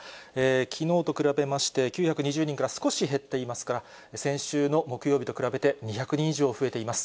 きのうと比べまして９２０人から少し減っていますが、先週の木曜日と比べて２００人以上増えています。